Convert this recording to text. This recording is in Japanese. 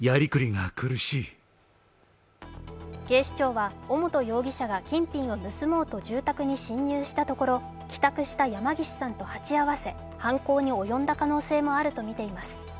警視庁は尾本容疑者が金品を盗もうと住宅に侵入したところ、帰宅した山岸さんと鉢合わせ、犯行に及んだ可能性もあるとみています。